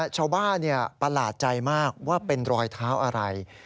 ใช่ชาวบ้านเนี่ยประหลาดใจมากว่าเป็นรอยเท้าอะไร